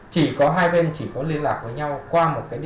chỉ có hai bên chỉ có liên lạc với nhau qua một cái nick